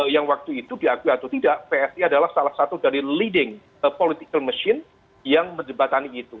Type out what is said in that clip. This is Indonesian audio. yang waktu itu diakui atau tidak psi adalah salah satu dari leading political machine yang menjebatani itu